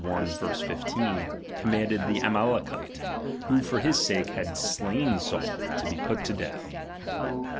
1 5) commanded the Amalekite, who for his sake had slain Saul, to be pat to death.